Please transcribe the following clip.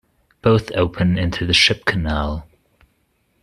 Both open into the ship canal.